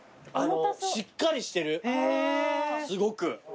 しっかりしてるすごく。